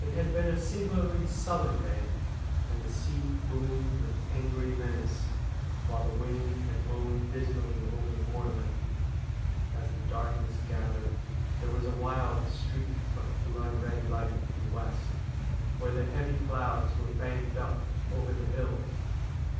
It had been a singularly sullen day, and the sea boomed with angry menace, while the wind had moaned dismally over the moorland. As the darkness gathered, there was a wild streak of blood red light in the west, where the heavy clouds were banked up over the hills.